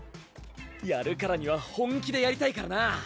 やるからには本気でやりたいからな。